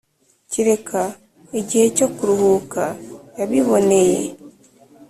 Kereka Igihe Cyo Kuruhuka Yabiboneye